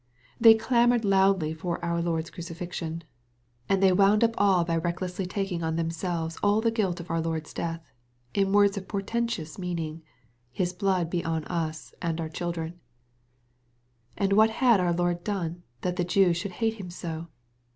They clamored loudly for our Lord's crucifixion. And they wound up all by recklessly taking on themselves all the guilt of our Lord's death, in words of portentous meaning, " His blood be on us and our children/' And what had our Lord done, that the Jews should hate Him so